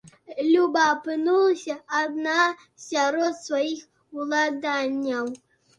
Люба апынулася адна сярод сваіх уладанняў.